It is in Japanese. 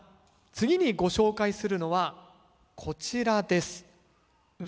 次にご紹介するのはこちらです。